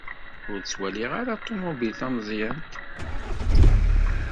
Ur ttwaliɣ ara ṭumubil tameẓyant.